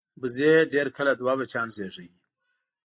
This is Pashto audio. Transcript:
وزې ډېر کله دوه بچیان زېږوي